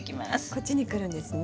こっちに来るんですね？